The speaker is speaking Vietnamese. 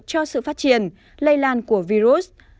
cho sự phát triển lây lan của virus